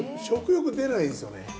食欲出ないんですよね。